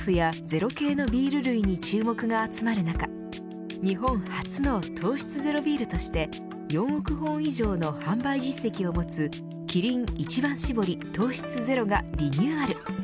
糖質オフやゼロ系のビール類に注目が集まる中日本初の糖質ゼロビールとして４億本以上の販売実績を持つキリン一番搾り糖質ゼロがリニューアル